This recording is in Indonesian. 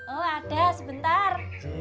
oh ada sebentar